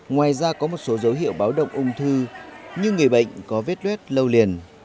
ngoài ra có một số dấu hiệu báo động ung thư như người bệnh có vết luet lâu liền